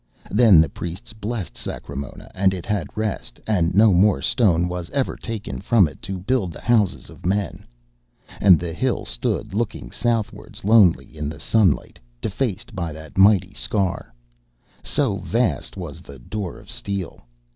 Then the priests blessed Sacremona, and it had rest, and no more stone was ever taken from it to build the houses of men. And the hill stood looking southwards lonely in the sunlight, defaced by that mighty scar. So vast was the door of steel.